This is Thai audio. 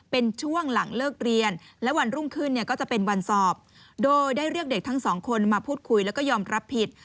เป็นช่วงหลังเลิกเรียนและวันรุ่งขึ้นเนี่ยก็จะเป็นวันสอบโดยได้เรียกเด็กทั้งสองคนมาพูดคุยแล้วก็ยอมรับผิด